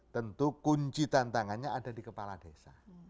tentu kunci tantangannya ada di kepala desa